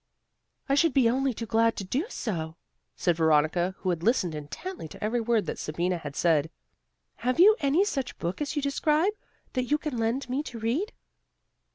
"I should be only too glad to do so," said Veronica, who had listened intently to every word that Sabina had said. "Have you any such book as you describe, that you can lend me to read?"